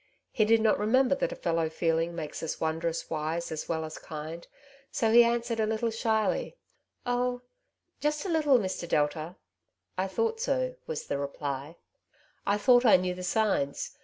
He did not remember that a fellow feeling makes us wondrous wise as well as kind, so he answered a little shyly,— '' Oh ! just a little, Mr. Delta." I thought so," was the reply ;" I thought I knew a 130 " Two Sides to every Question ^ the signs.